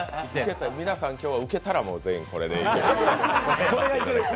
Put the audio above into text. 皆さん、今日はウケたら全員、これで。